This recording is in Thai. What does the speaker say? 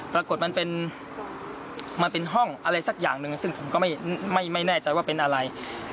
ปรากฏมันเป็นห้องอะไรสักอย่างหนึ่งซึ่งผมก็ไม่แน่ใจว่าเป็นอะไร